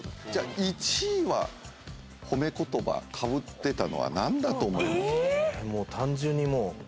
１位は褒め言葉かぶってたのは何だと思います？